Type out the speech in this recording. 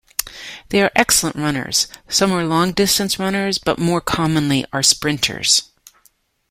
They are excellent runners: some are long-distance runners, but more commonly are sprinters.